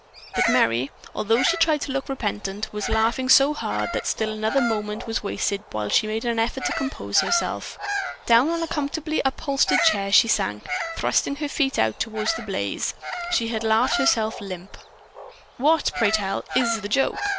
But Merry, although she tried to look repentant, was laughing so hard that still another moment was wasted while she made an effort to compose herself. Down on a comfortably upholstered chair she sank, thrusting her feet out toward the blaze. She had laughed herself limp. "What, pray tell, is the joke?